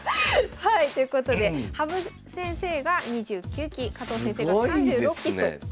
はいということで羽生先生が２９期加藤先生が３６期となります。